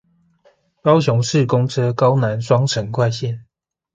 高雄市公車高南雙城快線